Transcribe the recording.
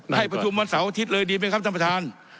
ให้ประชุมวันเสาร์อาทิตย์เลยดีไหมครับท่านประธาน